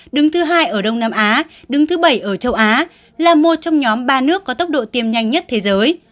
đứng thứ hai ở đông nam á đứng thứ bảy ở châu á là một trong nhóm ba nước có tốc độ tiêm nhanh nhất thế giới